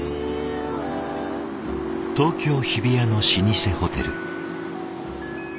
東京・日比谷の老舗ホテル。